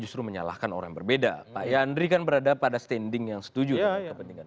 justru menyalahkan orang berbeda pak yandri kan berada pada standing yang setuju dengan kepentingan